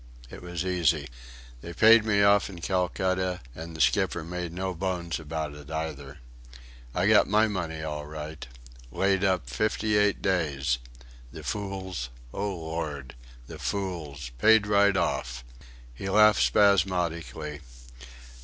It was easy. They paid me off in Calcutta, and the skipper made no bones about it either.... I got my money all right. Laid up fifty eight days! The fools! O Lord! The fools! Paid right off." He laughed spasmodically.